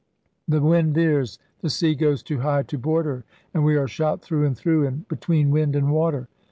...' The wind veers, the sea goes too high to board her, and we are shot through and through, and between wind and water.'